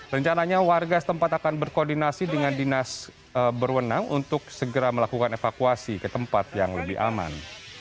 rencananya warga setempat akan berkoordinasi dengan dinas berwenang untuk segera melakukan evakuasi ke tempat yang lebih aman